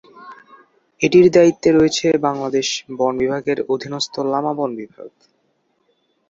এটির দায়িত্বে রয়েছে বাংলাদেশ বন বিভাগের অধীনস্থ লামা বন বিভাগ।